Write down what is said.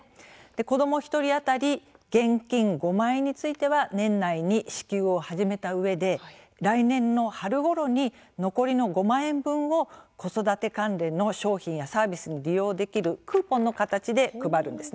子ども１人当たり現金５万円については年内に支給を始めたうえで来年の春ごろに残りの５万円分を子育て関連の商品やサービスに利用できるクーポンの形で配るんですね。